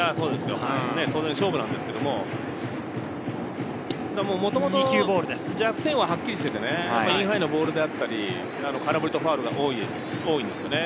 当然勝負なんですけど、もともと弱点ははっきりしていてね、インハイのボールであったり空振りとファウルが多いですよね。